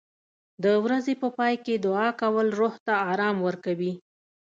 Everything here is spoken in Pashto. د ورځې په پای کې دعا کول روح ته آرام ورکوي.